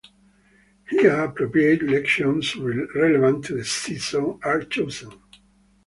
Here appropriate lections relevant to the season are chosen.